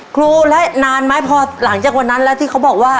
ครูและนานไหมพอหลังจากวันนั้นแล้วที่เขาบอกว่า